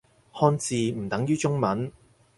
漢字唔等於中文